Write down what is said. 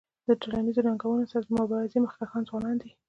د ټولنیزو ننګونو سره د مبارزې مخکښان ځوانان دي.